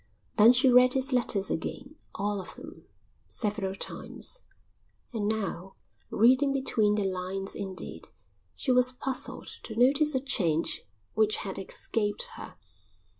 Then she read his letters again, all of them, several times; and now, reading between the lines indeed, she was puzzled to notice a change which had escaped her.